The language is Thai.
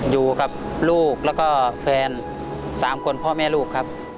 อยู่กับลูกแล้วก็แฟน๓คนพ่อแม่ลูกครับ